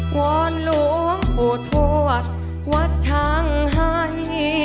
หวานหลวงปูโตทวัดวัดช่างหาย